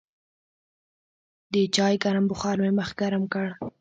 د چای ګرم بخار مې مخ ګرم کړ.